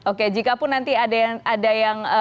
oke jikapun nanti ada yang